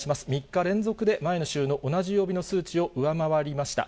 ３日連続で前の週の同じ曜日の数値を上回りました。